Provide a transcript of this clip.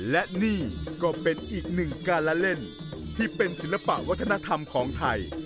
และนี่ก็เป็นอีกหนึ่งการละเล่นที่เป็นศิลปะวัฒนธรรมของไทย